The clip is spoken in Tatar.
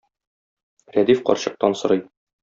Рәдиф карчыктан сорый